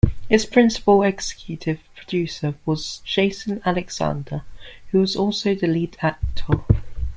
Its principal executive producer was Jason Alexander, who was also the lead actor.